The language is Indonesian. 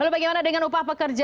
lalu bagaimana dengan upah pekerja